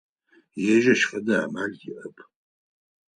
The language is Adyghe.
Ежь ащ фэдэ амал иӏэп.